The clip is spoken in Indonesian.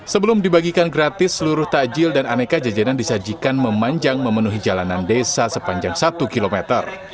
sebelum dibagikan gratis seluruh takjil dan aneka jajanan disajikan memanjang memenuhi jalanan desa sepanjang satu kilometer